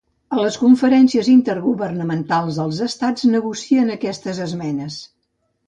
A les conferències intergovernamentals dels Estats negocien aquestes esmenes.